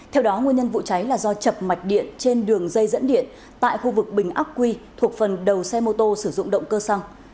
theo đó nguyên nhân vụ cháy là do chập mạch điện trên đường dây dẫn điện tại khu vực bình ác quy thuộc phần đầu xe mô tô sử dụng động cơ xăng